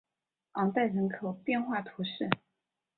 昂代人口变化图示